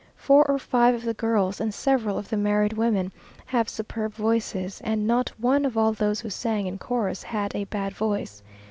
Four or five of the girls, and several of the married women, have superb voices; and not one of all those who sang in chorus had a bad voice.